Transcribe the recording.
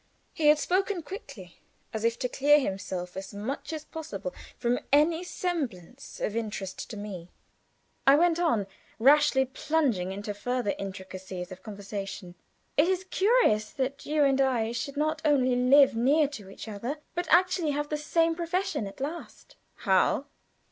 He had spoken quickly, as if to clear himself as much as possible from any semblance of interest to me. I went on, rashly plunging into further intricacies of conversation: "It is curious that you and I should not only live near to each other, but actually have the same profession at last." "How?"